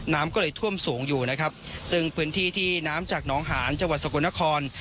น้ำก็เลยท่วมสูงอยู่นะครับซึ่งพื้นที่ที่น้ำจากน้องหานจังหวัดสกลนคร